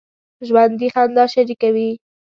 ژوندي خندا شریکه وي